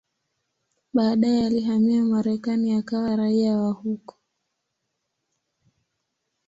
Baadaye alihamia Marekani akawa raia wa huko.